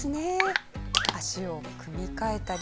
足を組み替えたり。